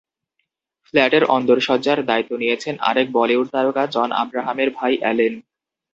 ফ্ল্যাটের অন্দরসজ্জার দায়িত্ব নিয়েছেন আরেক বলিউড তারকা জন আব্রাহামের ভাই অ্যালেন।